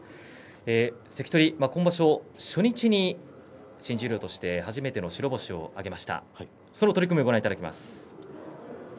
関取、今場所初日に新十両として初めての白星を挙げました、その取組をご覧いただきます。